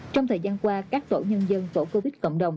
trong thời gian qua các tổ nhân dân tổ covid cộng đồng